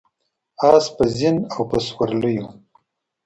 آس په زین او په سورلیو